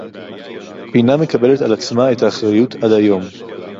אינה מקבלת על עצמה את האחריות עד היום